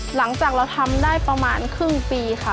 หลังจากเราทำได้ประมาณครึ่งปีค่ะ